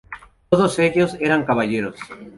Todos ellos eran caballeros.